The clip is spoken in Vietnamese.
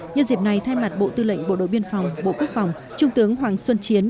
nhân dịp này thay mặt bộ tư lệnh bộ đội biên phòng bộ quốc phòng trung tướng hoàng xuân chiến